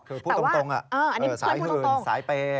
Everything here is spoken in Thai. คือพูดตรงสายหื่นสายเปย์